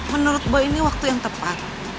menurut boy ini waktu yang tepat